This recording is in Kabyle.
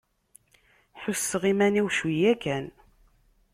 Ḥusseɣ iman-iw cwiya kan.